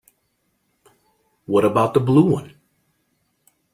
What about the blue one?